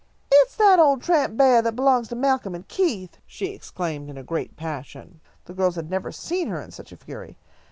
"It's that old tramp beah that belongs to Malcolm and Keith," she exclaimed, in a great passion. The girls had never seen her in such a fury.